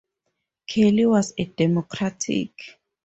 Kelly was a Democrat.